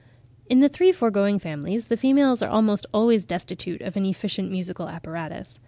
In the three foregoing families, the females are almost always destitute of an efficient musical apparatus.